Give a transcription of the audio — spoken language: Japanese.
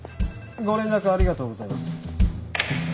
ご連絡ありがとうございます。